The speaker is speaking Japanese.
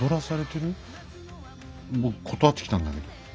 僕断ってきたんだけど。